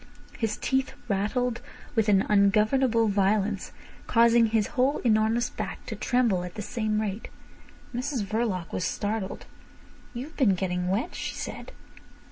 His teeth rattled with an ungovernable violence, causing his whole enormous back to tremble at the same rate. Mrs Verloc was startled. "You've been getting wet," she said.